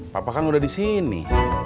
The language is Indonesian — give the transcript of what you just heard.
papa kan udah di sini